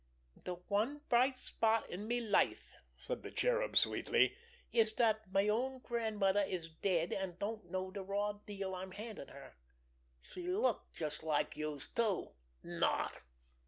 "De one bright spot in me life," said the Cherub sweetly, "is dat me own grandmother is dead, an' don't know de raw deal I'm handin' her. She looked just like youse, too—not!"